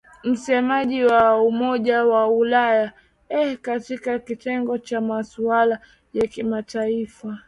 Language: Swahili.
msemaji wa umoja wa ulaya eu katika kitengo cha masuala ya kimataifa